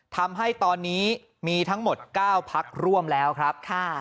ทำให้ตอนนี้มีทั้งหมด๙พักร่วมแล้วครับ